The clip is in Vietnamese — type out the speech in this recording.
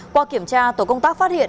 qua kiểm tra tổ công tác phát hiện